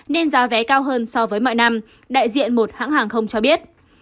nên giá vé cao hơn so với mọi năm đại diện một hãng hàng không cho biết